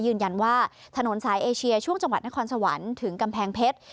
ยืนยันว่าถนนสายเอเชียช่วงจังหวัดนครสวรรค์ถึงกำแพงเพชร